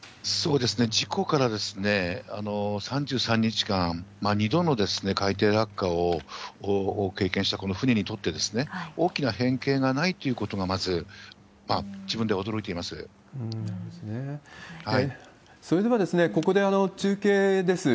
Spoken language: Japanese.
事故から３３日間、２度の海底落下を経験したこの船にとって、大きな変形がないということが、それでは、ここで中継です。